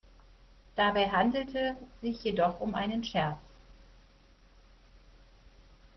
Dabei handelte sich jedoch um einen Scherz.